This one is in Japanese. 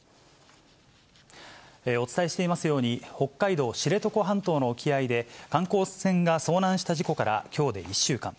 お伝えしていますように、北海道知床半島の沖合で、観光船が遭難した事故から、きょうで１週間。